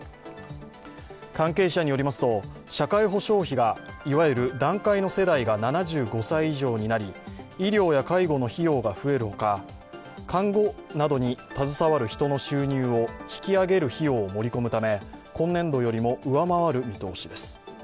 関係者によりますと、社会保障費がいわゆる団塊の世代が７５歳以上になり医療や介護の費用が増えるほか、看護などに携わる人の収入を引き上げる費用を盛り込むため、今年度よりも上回る見通しです。